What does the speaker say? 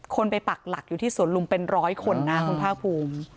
คนไปปักหลักอยู่ที่สวนลุมเป็นร้อยคนนะคุณภาคภูมิ